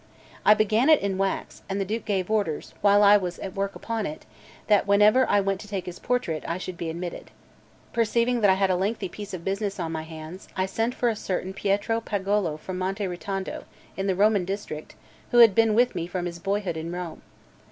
I began it in wax; and the Duke gave orders, while I was at work upon it, that whenever I went to take his portrait, I should be admitted. Perceiving that I had a lengthy piece of business on my hands, I sent for a certain Pietro Pagolo from Monte Ritondo, in the Roman district, who had been with me from his boyhood in Rome.